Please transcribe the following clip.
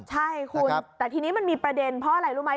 ใช่คุณแต่ทีนี้มันมีประเด็นเพราะอะไรรู้ไหม